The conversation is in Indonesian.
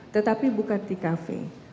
tetapi bukan di kafe